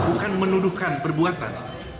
bukan menuduhkan perbuatan